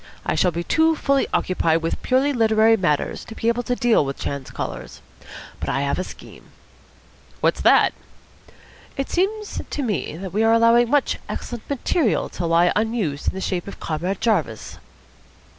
I shall be too fully occupied with purely literary matters to be able to deal with chance callers. But I have a scheme." "What's that?" "It seems to me that we are allowing much excellent material to lie unused in the shape of Comrade Jarvis."